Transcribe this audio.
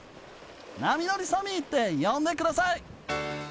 波乗りサミーって呼んでください。